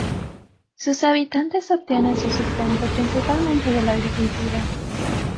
Sus habitantes obtienen su sustento principalmente de la agricultura.